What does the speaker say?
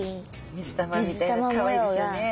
水玉みたいなカワイイですよね。